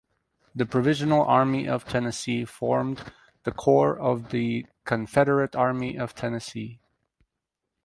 The Provisional Army of Tennessee formed the core of the Confederate Army of Tennessee.